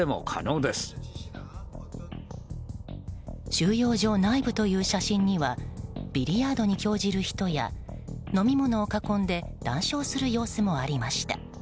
収容所内部という写真にはビリヤードに興じる人や飲み物を囲んで談笑する様子もありました。